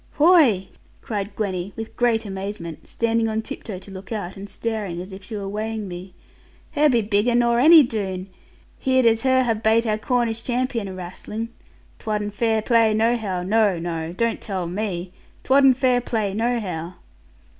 'Whoy!' cried Gwenny, with great amazement, standing on tiptoe to look out, and staring as if she were weighing me: 'her be bigger nor any Doone! Heared as her have bate our Cornish champion awrastling. 'Twadn't fair play nohow: no, no; don't tell me, 'twadn't fair play nohow.'